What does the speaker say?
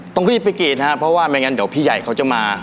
ต้องรีบไปกรีดครับเพราะว่าไม่งั้นเดี๋ยวพี่ใหญ่เขาจะมา